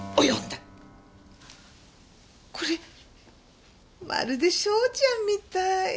これまるで章ちゃんみたい。